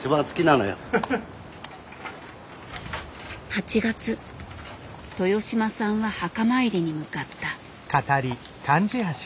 ８月豊島さんは墓参りに向かった。